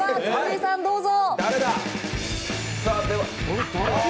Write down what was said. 辻井さん、どうぞ。